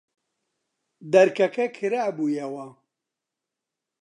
دەرکەکە کرابوویەوە.